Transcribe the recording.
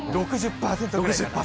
６０％ぐらいで。